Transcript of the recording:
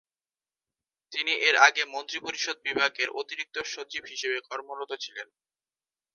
তিনি এর আগে মন্ত্রিপরিষদ বিভাগের অতিরিক্ত সচিব হিসেবে কর্মরত ছিলেন।